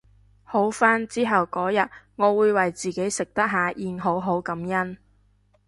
好返之後嗰日我會為自己食得下嚥好好感恩